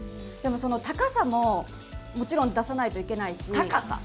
でも、その高さももちろん出さないといけないし。